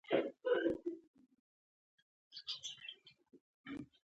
زه پوهي ته ارزښت ورکوم.